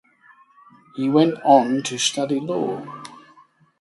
He went on to study law.